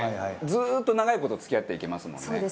ずーっと長い事付き合っていけますもんね。